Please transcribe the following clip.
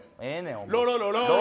ロロロロー。